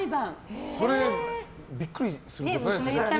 それ、ビックリするけどね。